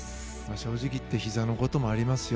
正直言ってひざのこともありますよ